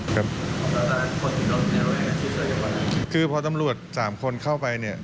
ก็คือพอตำรวจ๓คนเข้าไปเนี่ย